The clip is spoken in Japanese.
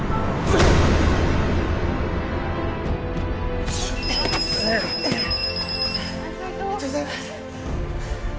ありがとうございます。